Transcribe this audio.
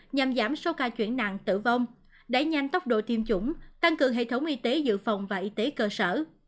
nhằm giảm số ca chuyển nạn tử vong đẩy nhanh tốc độ tiêm chủng tăng cường hệ thống y tế dự phòng và y tế cơ sở